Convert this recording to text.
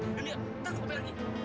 dilihat tas kota ini